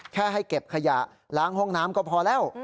แค่ให้เก็บขยะล้างห้องน้ำก็พอแล้ว